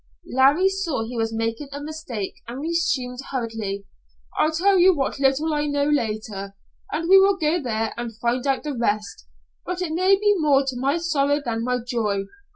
Larry saw he was making a mistake and resumed hurriedly: "I'll tell you what little I know later, and we will go there and find out the rest, but it may be more to my sorrow than my joy.